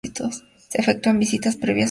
Se efectúan visitas previa solicitud.